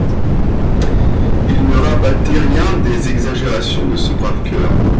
Il ne rabattait rien des exagérations de ce brave cœur.